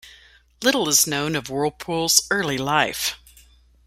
Little is known of Whirlpool's early life.